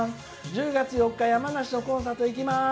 「１０月４日山梨のコンサート行きます！」